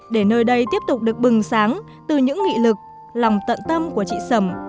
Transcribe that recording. để nơi đây tiếp tục được bừng sáng từ những nghị lực lòng tận tâm của chị sầm